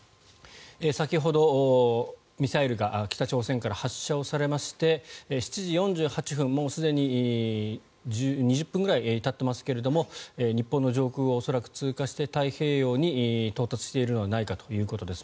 先ほど、ミサイルが北朝鮮から発射されまして７時４８分、もうすでに２０分ぐらいたっていますが日本の上空を恐らく通過して太平洋に到達しているのではないかということです。